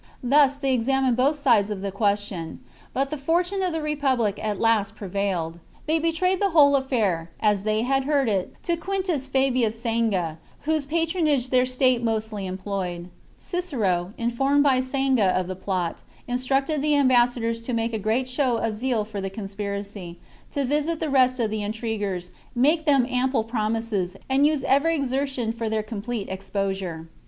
Thus they ex amined both sides of the question ; but the fortune of the republic at last prevailed. They betrayed the whole affair, just as they had heard it, to Quintus Fabius Sanga, whose patronage their state mostly employed. Cicero, informed by Sanga of the plot, instructed the ambassadors to make a great show of zeal for the conspiracy, to visit the rest of the in triguers, make them ample promises, and use every exertion for their complete exposure.